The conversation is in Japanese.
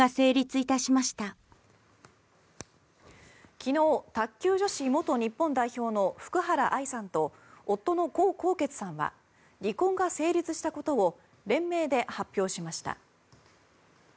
昨日卓球女子元日本代表の福原愛さんと夫のコウ・コウケツさんは離婚が成立したことを連名で発表しました。